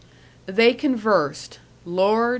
They conversed Lord!